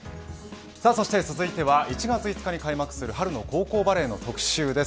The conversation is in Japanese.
そして続いては１月５日に開幕する春の高校バレーの特集です。